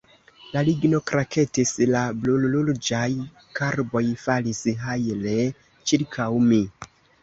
La ligno kraketis; la brulruĝaj karboj falis hajle ĉirkaŭ mi.